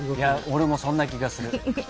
俺もそんな気がする。